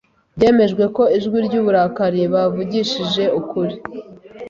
byemejwe ko ijwi ryuburakari buvugishije ukuri